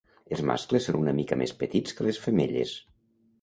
Els mascles són una mica més petits que les femelles.